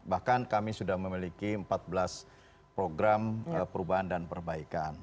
bahkan kami sudah memiliki empat belas program perubahan dan perbaikan